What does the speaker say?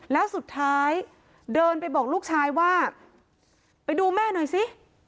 แล้วสุดท้ายเดินไปบอกลูกชายว่าไปดูแม่หน่อยสิ